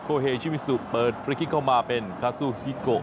เฮชิวิสุเปิดฟรีคลิกเข้ามาเป็นคาซูฮิโก